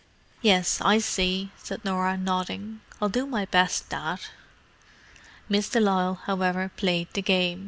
"Yes, I see," said Norah, nodding. "I'll do my best, Dad." Miss de Lisle, however, played the game.